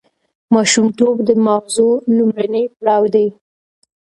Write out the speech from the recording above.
ماشومتوب د ماغزو لومړنی پړاو دی.